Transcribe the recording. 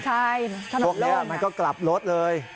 ใช่ถนนร่วมนะครับพวกนี้มันก็กลับรถเลย